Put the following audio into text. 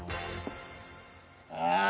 ああ。